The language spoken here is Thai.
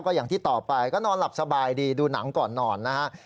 อย่างที่ต่อไปก็นอนหลับสบายดีดูหนังก่อนนอนนะฮะ